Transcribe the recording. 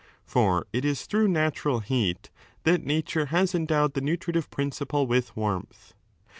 For it is through natural heat that nature has I endowed the nutritive principle with warmth.